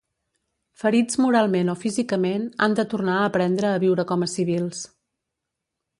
Ferits moralment o físicament, han de tornar a aprendre a viure com a civils.